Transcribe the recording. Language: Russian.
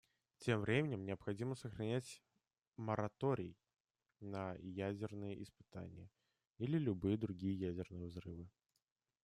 Тем временем необходимо сохранять мораторий на ядерные испытания или любые другие ядерные взрывы.